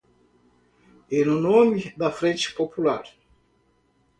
E no nome da Frente Popular!